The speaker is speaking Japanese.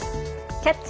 「キャッチ！